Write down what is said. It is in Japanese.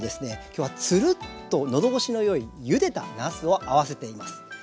今日はツルッとのどごしのよいゆでたなすを合わせています。